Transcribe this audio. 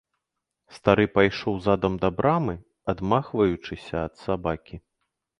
Стары пайшоў задам да брамы, адмахваючыся ад сабакі.